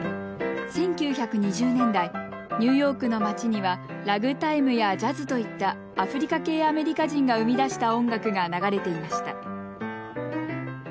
１９２０年代ニューヨークの街にはラグタイムやジャズといったアフリカ系アメリカ人が生み出した音楽が流れていました。